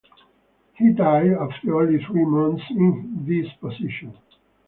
He died after only three months in this position.